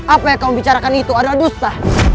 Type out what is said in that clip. apa yang kau bicarakan itu adalah dusta